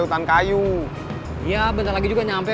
itu yang apa